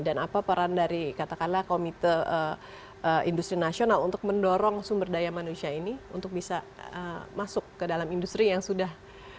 dan apa peran dari katakanlah komite industri nasional untuk mendorong sumber daya manusia ini untuk bisa masuk ke dalam industri yang sudah empat